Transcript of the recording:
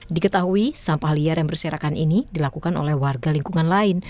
diketahui sampah liar yang berserakan ini dilakukan oleh warga lingkungan lain